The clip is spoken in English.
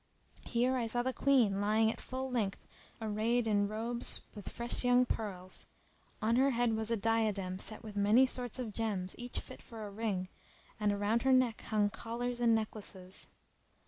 Here I saw the Queen lying at full length arrayed in robes purfled with fresh young[FN#309] pearls; on her head was a diadem set with many sorts of gems each fit for a ring[FN#310] and around her neck hung collars and necklaces.